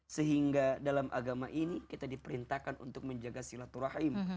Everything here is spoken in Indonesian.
sehingga dalam agama ini kita diperintahkan untuk menjaga silaturahim